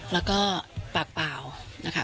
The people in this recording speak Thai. แล้วก็ปากเปล่านะคะ